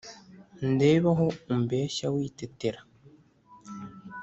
Ndebe aho umbeshya witetera